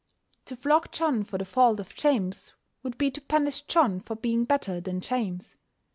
To flog John for the fault of James would be to punish John for being better than James.